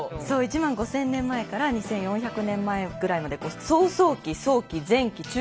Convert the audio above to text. そう１万５，０００年前から２，４００年前ぐらいまで草創期早期前期